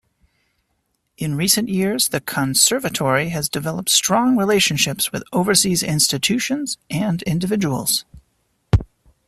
In recent years, the Conservatory has developed strong relationships with overseas institutions and individuals.